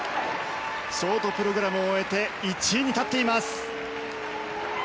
ショートプログラムを終えて１位に立っています。